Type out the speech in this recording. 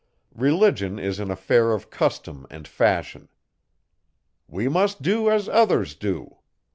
Religion is an affair of custom and fashion. _We must do as others do.